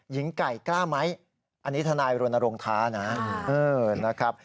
หญิงไก่กล้าไหมอันนี้ทนายโรนโรงท้านะ